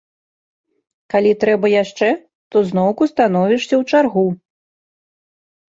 Калі трэба яшчэ, то зноўку становішся ў чаргу.